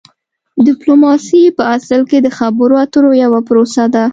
ډیپلوماسي په اصل کې د خبرو اترو یوه پروسه ده